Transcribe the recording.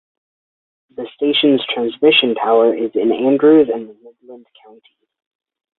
The station's transmission tower is in Andrews and Midland County.